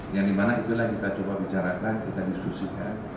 yang dimana itulah kita coba bicarakan kita diskusikan